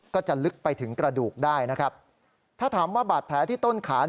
ก็จะลึกไปถึงกระดูกได้นะครับถ้าถามว่าบาดแผลที่ต้นขา